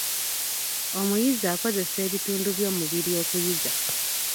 Omuyizi akozesa ebitundu by'omubiri okuyiga.